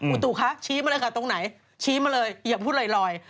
อุตุคะชี้มาเลยค่ะตรงไหนชี้มาเลยอย่าพูดลอย